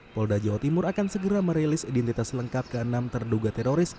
polda jawa timur akan segera merilis identitas lengkap ke enam terduga teroris